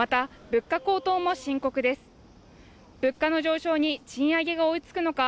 物価の上昇に賃上げが追いつくのか